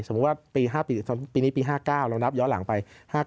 ว่าปีนี้ปี๕๙เรานับย้อนหลังไป